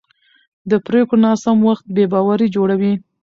د پرېکړو ناسم وخت بې باوري جوړوي